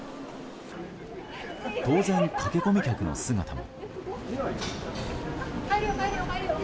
当然、駆け込み客の姿も。